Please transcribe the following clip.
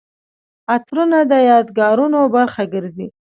عطرونه د یادګارونو برخه ګرځي.